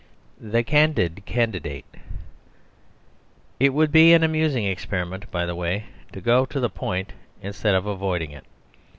The Candid Candidate It would be an amusing experiment, by the way, to go to the point instead of avoiding it.